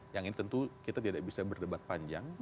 yang ini tentu kita tidak bisa berdebat panjang